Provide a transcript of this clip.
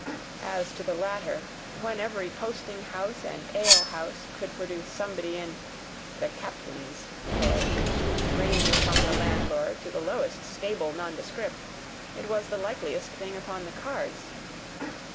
As to the latter, when every posting house and ale house could produce somebody in "the Captain's" pay, ranging from the landlord to the lowest stable non descript, it was the likeliest thing upon the cards.